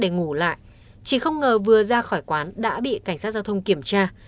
ngủ lại chị không ngờ vừa ra khỏi quán đã bị cảnh sát giao thông kiểm tra